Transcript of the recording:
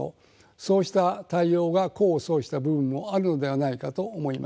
そうした対応が功を奏した部分もあるのではないかと思います。